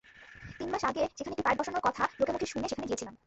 তিন মাস আগে সেখানে একটি পাইপ বসানোর কথা লোকমুখে শুনে সেখানে গিয়েছিলেন।